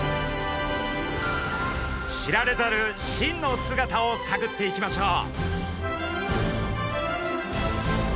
知られざる真の姿をさぐっていきましょう！